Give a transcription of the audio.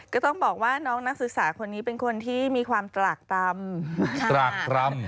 ก็ต้องบอกว่าน้องนักศึกษาคนนี้เป็นคนที่มีความตรากต่ำตรากตรำ